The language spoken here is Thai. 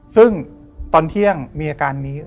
ซึ่งตอนเที่ยงมีอาการนี้